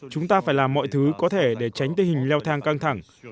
chúng ta phải làm mọi thứ có thể để tránh tình hình leo thang căng thẳng